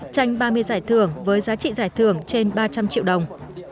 tranh ba mươi giải thưởng với giá trị giải thưởng trên ba trăm linh triệu đồng